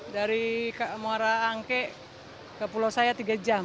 dari muara angke ke pulau saya tiga jam